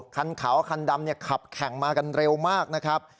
คันขาวคันดำขับแข่งมากันเร็วมากนะครับ